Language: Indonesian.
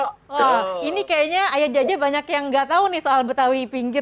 wah ini kayaknya ayah jaja banyak yang nggak tahu nih soal betawi pinggir